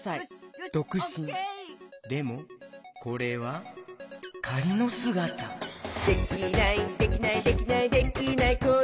でもこれはかりのすがた「できないできないできないできない子いないか」